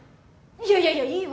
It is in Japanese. いやいやいやいい！